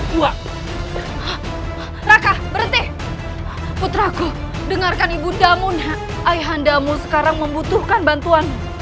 dua raka berhenti putraku dengarkan ibu damun ayah anda mu sekarang membutuhkan bantuan